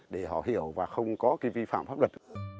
để họ hiểu và không có cái vi phạm pháp luật